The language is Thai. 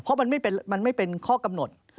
เพราะมันไม่เป็นข้อกำหนด